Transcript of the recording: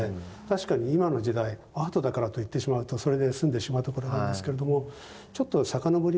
確かに今の時代アートだからと言ってしまうとそれで済んでしまうところなんですけれどちょっと遡りますとね。